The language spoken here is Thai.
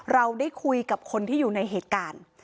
เราได้คุยกับคนที่อยู่ในเหตุการณ์